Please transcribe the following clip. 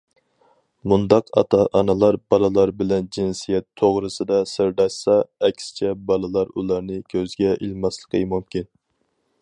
مۇنداق ئاتا- ئانىلار بالىلار بىلەن« جىنسىيەت» توغرىسىدا سىرداشسا، ئەكسىچە بالىلار ئۇلارنى كۆزگە ئىلماسلىقى مۇمكىن.